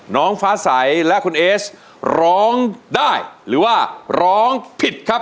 น้องฟ้าใสและคุณเอสร้องได้หรือว่าร้องผิดครับ